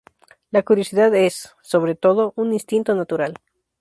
La curiosidad es, sobre todo, un instinto natural.